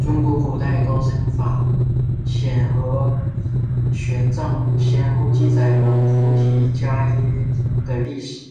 中国古代高僧法显和玄奘先后记载了菩提伽耶的历史。